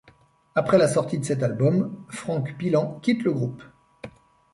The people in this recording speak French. Après la sortie de cet album, Franck Pilant quitte le groupe.